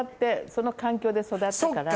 その環境で育ったから。